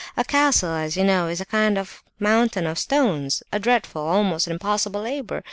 A castle, as you know, is, a kind of mountain of stones—a dreadful, almost an impossible, labour!